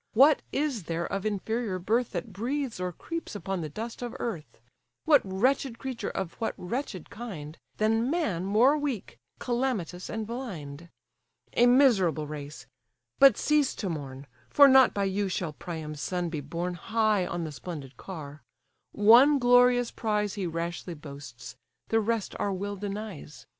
what is there of inferior birth, That breathes or creeps upon the dust of earth; What wretched creature of what wretched kind, Than man more weak, calamitous, and blind? A miserable race! but cease to mourn: For not by you shall Priam's son be borne High on the splendid car: one glorious prize He rashly boasts: the rest our will denies.